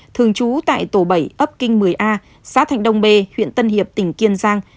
thường trú tại tổ bảy ấp kinh một mươi a xã thạnh đông bê huyện tân hiệp tỉnh kiên giang